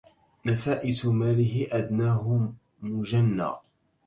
نفائس ماله أدناه مجنى